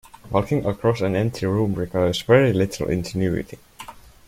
Walking across an empty room requires very little ingenuity.